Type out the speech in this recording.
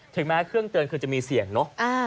แม้เครื่องเตือนคือจะมีเสี่ยงเนอะ